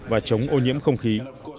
và chống ô nhiễm không khí